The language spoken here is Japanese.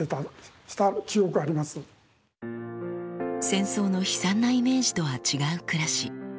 戦争の悲惨なイメージとは違う暮らし。